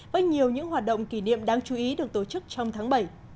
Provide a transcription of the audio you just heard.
với nhiều những hoạt động kỷ niệm đáng chú ý được tổ chức trong tháng bảy